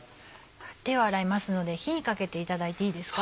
手を洗いますので火にかけていただいていいですか？